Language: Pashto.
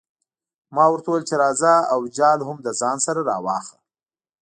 ما ورته وویل چې راځه او جال هم له ځان سره راواخله.